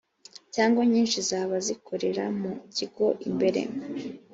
cyangwa nyinshi zaba zikorera mu kigo imbere